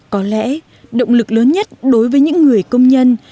có lẽ động lực lớn nhất đối với những người công nhân